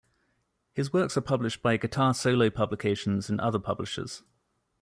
His works are published by Guitar Solo Publications and other publishers.